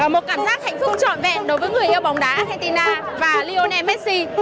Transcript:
một cảm giác hạnh phúc trọn vẹn đối với người yêu bóng đá argentina và lionel messi